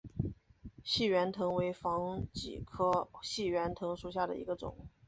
细圆藤为防己科细圆藤属下的一个种。